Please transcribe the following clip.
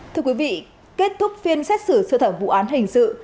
thưa quý vị kết thúc phiên xét xử sơ thẩm vụ án hình sự